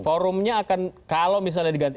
forumnya akan kalau misalnya diganti